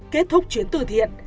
kết thúc chuyến tử thiện